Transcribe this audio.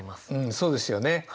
そうですよね。